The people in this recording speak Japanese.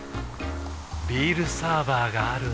ビールサーバーがある夏。